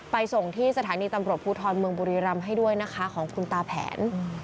ส่งที่สถานีตำรวจภูทรเมืองบุรีรำให้ด้วยนะคะของคุณตาแผน